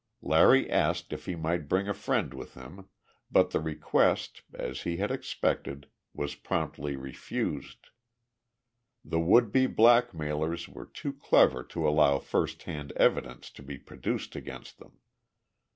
Larry asked if he might bring a friend with him, but the request as he had expected was promptly refused. The would be blackmailers were too clever to allow first hand evidence to be produced against them.